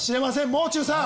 もう中さん。